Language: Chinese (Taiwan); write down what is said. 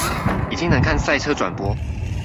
已經能看賽車轉播